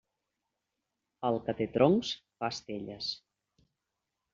El que té troncs fa estelles.